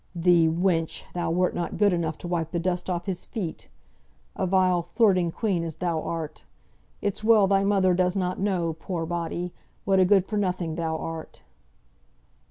Thee! wench! thou were not good enough to wipe the dust off his feet. A vile, flirting quean as thou art. It's well thy mother does not know (poor body) what a good for nothing thou art."